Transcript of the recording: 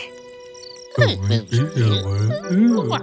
kau baik baik saja iya iya terima kasih